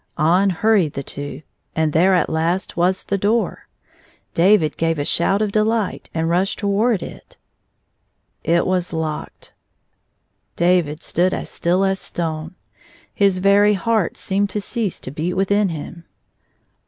On hurried the two, and there, at last, was the door. David gave a shout of dehght, and rushed toward it. ••••• It was locked. •••••• David stood as still as a stone. His very heart seemed to cease to beat within him.